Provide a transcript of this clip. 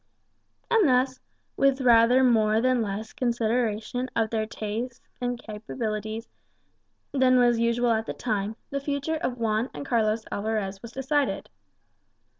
And thus, with rather more than less consideration of their tastes and capacities than was usual at the time, the future of Juan and Carlos Alvarez was decided.